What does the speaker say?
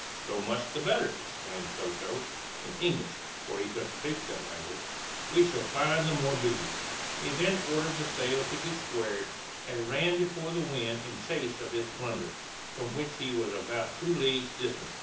"So much the better," exclaimed Soto, in English (for he could speak that language), "we shall find the more booty." He then ordered the sails to be squared, and ran before the wind in chase of his plunder, from which he was about two leagues distant.